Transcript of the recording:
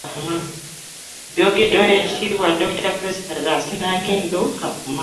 Byogeddwa Oweekitiibwa Dokita Prosperous Nankindu Kavuma.